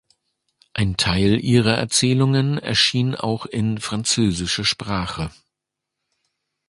Ein Teil ihrer Erzählungen erschien auch in französischer Sprache.